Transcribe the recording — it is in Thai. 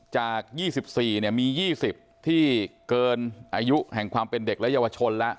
จาก๒๔มี๒๐ที่เกินอายุแห่งความเป็นเด็กและเยาวชนแล้ว